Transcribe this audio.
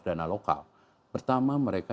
dana lokal pertama mereka